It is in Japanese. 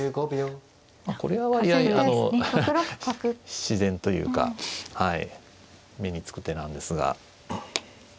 これは割合自然というか目につく手なんですが。